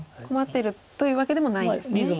困ってるというわけでもないんですね。